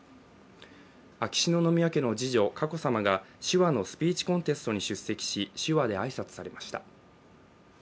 秋篠宮家の次女・佳子さまが手話のスピーチコンテストに出席し、手話で挨拶されました。